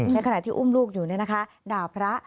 ในขณะที่อุ้มลูกอยู่เนี่ยนะคะด่าพระ